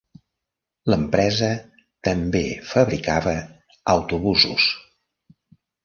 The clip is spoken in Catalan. L'empresa també fabricava autobusos.